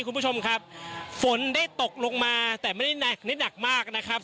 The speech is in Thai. คุณผู้ชมครับฝนได้ตกลงมาแต่ไม่ได้หนักได้หนักมากนะครับ